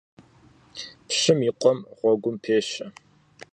Пщым и къуэм и гъуэгум пещэ.